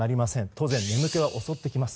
当然、眠気は襲ってきます。